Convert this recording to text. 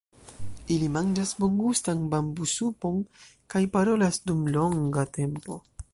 Ili manĝas bongustan bambusupon kaj parolas dum longa tempo.